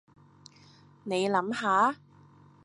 你諗下